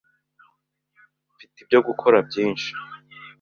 mfite ibyo gukora byinshi